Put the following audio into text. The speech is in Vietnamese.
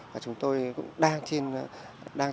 và chúng tôi cũng đang trên